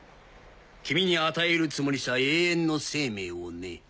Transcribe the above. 君に与えるつもりさ永遠の生命をね。